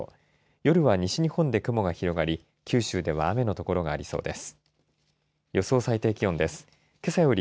夜は西日本で雲が広がり九州では雨の所がありそうです。